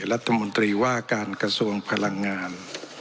รัฐมนตรีว่าการกระทรวงพลังงาน